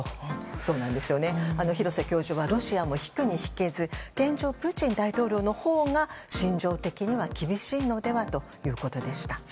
そうです、廣瀬教授はロシアも引くに引けず現状、プーチン大統領のほうが心情的には厳しいのではということでした。